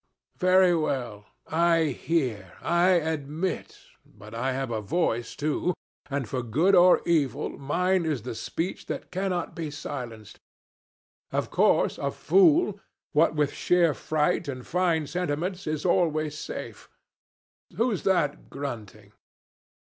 Very well; I hear; I admit, but I have a voice too, and for good or evil mine is the speech that cannot be silenced. Of course, a fool, what with sheer fright and fine sentiments, is always safe. Who's that grunting?